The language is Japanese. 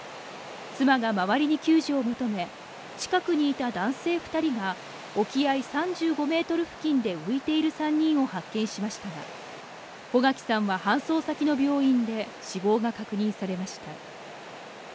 妻が周りに救助を求め、近くにいた男性２人が沖合３５メートル付近で浮いている３人を発見しましたが、穗垣さんは搬送先の病院で死亡が確認されました。